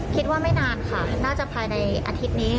ไม่นานค่ะน่าจะภายในอาทิตย์นี้